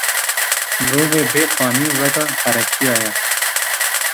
Mirovê bê xanî weka qereçiya ye